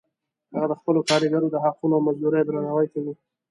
هغه د خپلو کاریګرو د حقونو او مزدوریو درناوی کوي